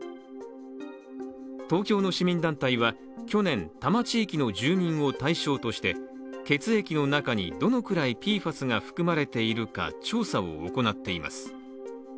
東京の市民団体は、去年、多摩地域の住民を対象として、血液の中にどのくらいＰＦＡＳが含まれているか調査を行っています。